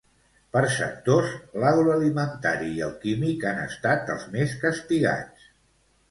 Per sectors, l'agroalimentari i el químic han estat els més castigats.